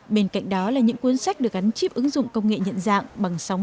bên cạnh đó là những cuốn sách được gắn chip ứng dụng công nghệ nhận dạng